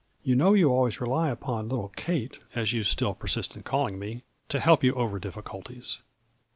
You know you always rely upon little Kate, as you still persist in calling me, to help A FLURRY IN DIAMONDS. 117 you over difficulties.